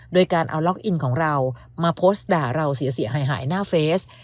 โดยการเอาล็อกอินของเรามาโพสต์ด่าเราเสียหายหน้าเฟซ